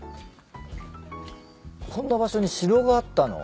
こんな場所に城があったの。